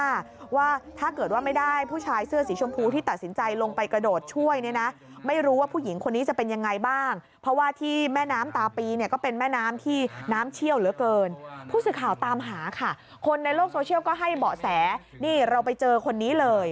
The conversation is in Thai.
ระตาปีนี่ก็เป็นแม่น้ำที่น้ำเชี่ยวเหลือเกินผู้สื่อข่าวตามหาค่ะคนในโลกโซเชียลก็ให้เบาะแสนี่เราไปเจอคนนี้เลย